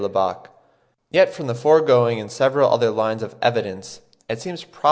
Lubbock, yet from the foregoing and several other lines of evidence it seems probable (8.